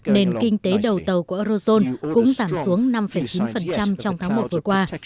nền kinh tế đầu tàu của eurozone cũng giảm xuống năm chín trong tháng một vừa qua